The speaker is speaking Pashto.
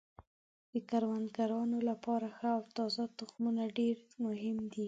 د کروندګرانو لپاره ښه او تازه تخمونه ډیر مهم دي.